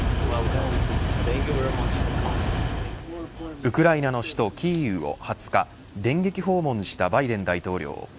ウクライナの首都キーウを２０日電撃訪問した大バイデン大統領。